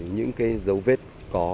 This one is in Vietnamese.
những cái dấu vết có